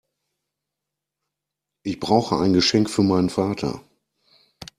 Ich brauche ein Geschenk für meinen Vater.